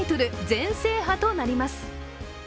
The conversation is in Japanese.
全制覇はとなります。